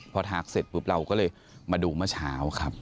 พอทักเสร็จปุ๊บเราก็เลยมาดูเมื่อเช้าครับ